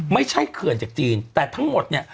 เขื่อนจากจีนแต่ทั้งหมดเนี่ย